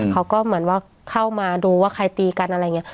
เขาก็เหมือนว่าเข้ามาดูว่าใครตีกันอะไรอย่างนี้